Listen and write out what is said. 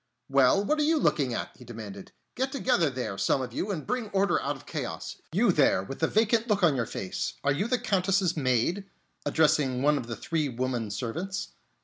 "Well, what are you looking at?" he demanded. "Get together there, some of you, and bring order out of chaos. You there, with the vacant look on your face, are you the Countess's maid?" addressing one of the three woman servants.